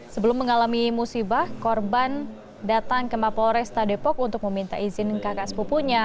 sebelum mengalami musibah korban datang ke mapol resta depok untuk meminta izin kakak sepupunya